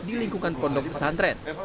di lingkungan pondok pesantren